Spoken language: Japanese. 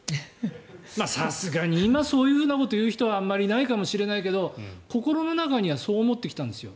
さすがに今そういうことを言う人はあまりいないかもしれないけど心の中にはそう思ってきたんですよ。